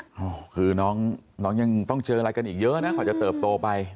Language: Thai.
โอ้โหคือน้องยังต้องเจออะไรกันอีกเยอะนะกว่าจะเติบโตไป